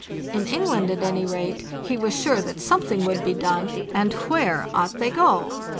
In England, at any rate, he was sure that something would be done—and where ought they to go?